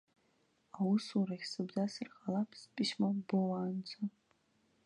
Аусурахь сыбзасыр ҟалап списьмо боуаанӡа.